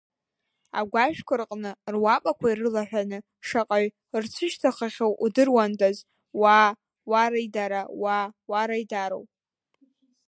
Агәашәқәа рҟны руапақәа ирылаҳәаны шаҟаҩ рцәышьҭахахьоу удыруандаз, уаа, уараидара, уаа, уараидароу!